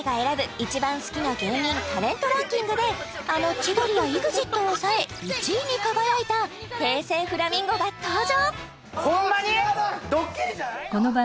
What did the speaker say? いちばん好きな芸人・タレントランキングであの千鳥やＥＸＩＴを抑え１位に輝いた平成フラミンゴが登場